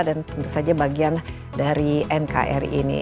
dan tentu saja bagian dari nkri ini